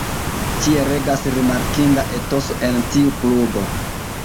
Ĉie regas rimarkinda etoso en tiu klubo.